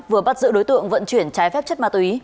vừa bắt giữ đối tượng vận chuyển trái phép chất ma túy